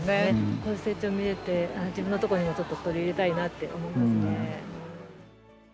ここで成長見れて自分のとこにもちょっと取り入れたいなって思いますね。